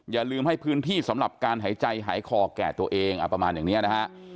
อย่าลืมให้พื้นที่สำหรับการหายใจหายคอแก่ตัวเองประมาณอย่างนี้นะฮะ